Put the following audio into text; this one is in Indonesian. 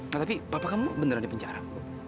nah tapi papa kamu beneran di penjara